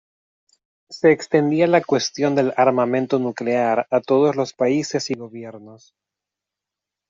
Se extendía la cuestión del armamento nuclear a todos los países y gobiernos.